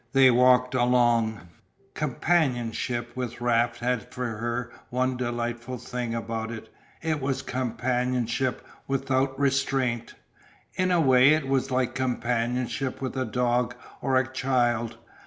They walked along. Companionship with Raft had for her one delightful thing about it, it was companionship without restraint. In a way it was like companionship with a dog, or a child.